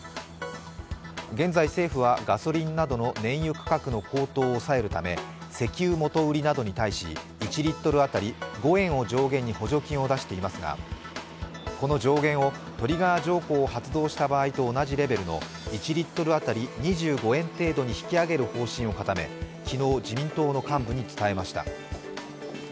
現在、政府はガソリンなどの燃油価格の高騰を抑えるため石油元売りなどに対し、１リットル当たり５円を上限に補助金を出していますが、この上限をトリガー条項を発動した場合と同じレベルの１リットル当たり２５円程度に引き上げる方針を固め、昨日、自民党の幹部に伝えました。